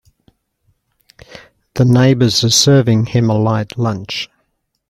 The neighbors are serving him a light lunch.